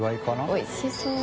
おいしそう。